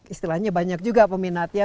istilahnya banyak juga peminatnya